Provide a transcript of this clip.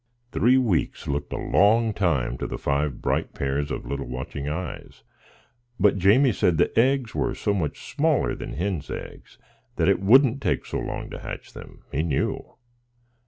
Three weeks looked a long time to the five bright pairs of little watching eyes; but Jamie said the eggs were so much smaller than hens' eggs that it wouldn't take so long to hatch them, he knew.